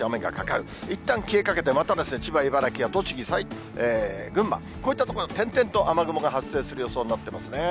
いったんいったん消えかけて、また千葉、茨城や栃木、群馬、こういった所に点々と雨雲が発生する予想になってますね。